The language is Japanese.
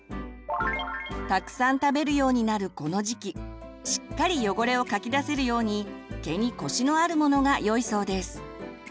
たくさん食べるようになるこの時期しっかり汚れをかき出せるように毛にコシのあるものがよいそうです。